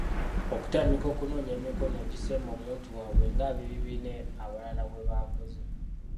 Okutandika okunoonya emikono egisemba omuntu waabwe nga abebibina abalala bwe bakoze.